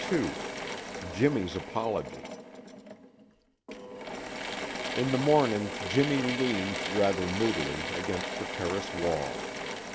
II JIMMY'S APOLOGY In the morning Jimmy leaned, rather moodily, against the terrace wall.